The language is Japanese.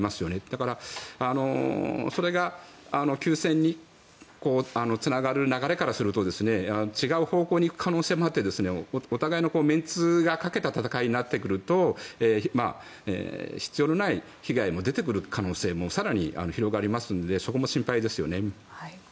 だから、それが休戦につながる流れからすると違う方向に行く可能性もあってお互いのメンツをかけた戦いになってくると必要のない被害も出てくる可能性も更に広がりますのでそこも心配ですよね。